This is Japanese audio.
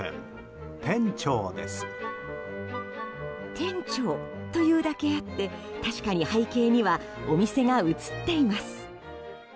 店長というだけあって確かに背景にはお店が写っています。